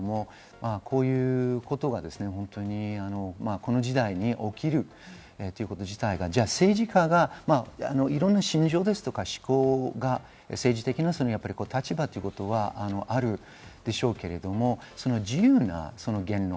こういうことがこの時代に起きるということ自体が、政治家がいろんな心情とか思考が政治的な立場ということはあるでしょうけれども、自由な言論。